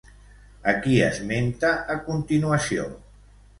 A qui esmenta a continuació?